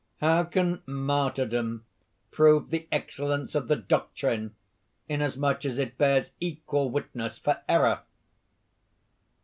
"How can martyrdom prove the excellence of the doctrine, inasmuch as it bears equal witness for error?"